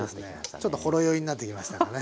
ちょっとほろ酔いになってきましたかね。